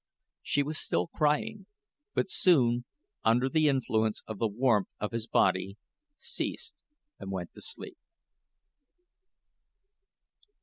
She was still crying, but soon, under the influence of the warmth of his body, ceased and went to sleep.